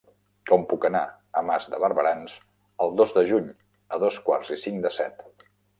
Com puc anar a Mas de Barberans el dos de juny a dos quarts i cinc de set?